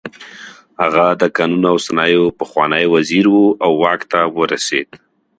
هغه د کانونو او صنایعو پخوانی وزیر و او واک ته ورسېد.